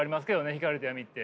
光と闇って。